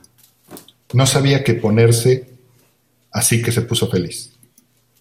No sabía que ponerse, asi que se puso feliz.